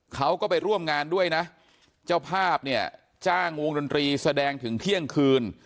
เขาก็ไปร่วมงานด้วยนะเจ้าภาพเนี่ยจ้างวงดนตรีแสดงถึงเที่ยงคืน